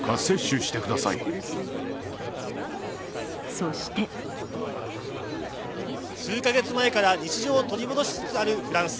そして数カ月前から日常を取り戻しつつあるフランス。